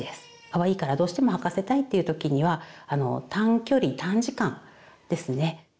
かわいいからどうしても履かせたいという時には短距離短時間ですね。